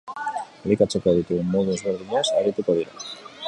Elikatzeko ditugun modu ezberdinez arituko dira.